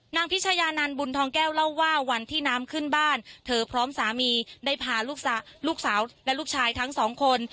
พิชายานันบุญทองแก้วเล่าว่าวันที่น้ำขึ้นบ้านเธอพร้อมสามีได้พาลูกสาวและลูกชายทั้งสองคน